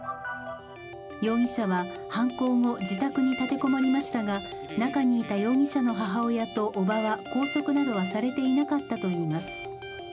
容疑者は犯行後、自宅に立て籠もりましたが中にいた容疑者の母親とおばは拘束などはされていなかったといいます。